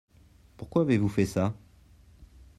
Pourquoi avez-vous fait ça ?